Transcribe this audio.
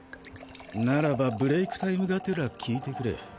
ならばブレイクタイムがてら聞いてくれ。